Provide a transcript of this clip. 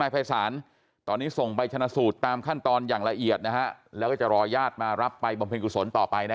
บ่ตีบ่งั้งเลยจังแจยุ่ม